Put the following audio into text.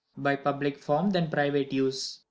By public form, than private use.